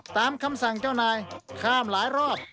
ตามคำสั่งเจ้านายข้ามหลายรอบ